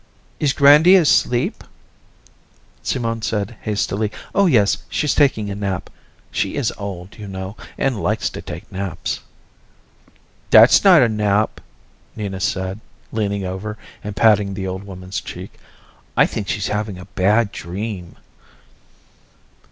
"Is Grandy asleep?" Simone said hastily, "Oh yes, she's taking a nap. She is old, you know, and likes to take naps." "That's not a nap," Nina said, leaning over and patting the old woman's cheek, "I think she's having a bad dream."